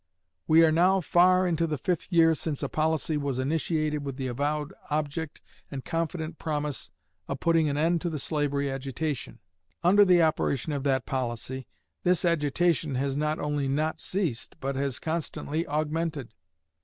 We are now far into the fifth year since a policy was initiated with the avowed object and confident promise of putting an end to the slavery agitation. Under the operation of that policy this agitation has not only not ceased but has constantly augmented.